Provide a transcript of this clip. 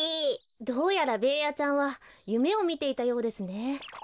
どうやらベーヤちゃんはゆめをみていたようですね。